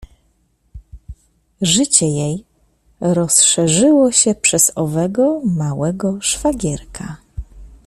Życie jej rozszerzyło się przez owego małego szwagierka.